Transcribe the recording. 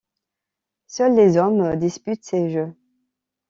Seuls les hommes disputent ces jeux.